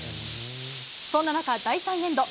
そんな中、第３エンド。